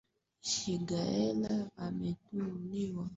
Shigella ameteuliwa kuwa mkuu wa mkoa wa Morogoro